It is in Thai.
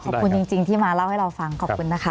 ขอบคุณจริงที่มาเล่าให้เราฟังขอบคุณนะคะ